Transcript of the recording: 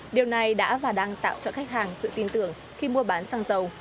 điều này đã và đang tạo cho khách hàng sự tin tưởng khi mua bán xăng dầu